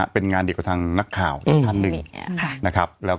เป็นงานเด็กกับทางหนักข่าวดังคันหนึ่ง